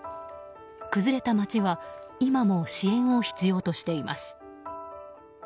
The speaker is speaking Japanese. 崩れた街は今も支援を必要としています。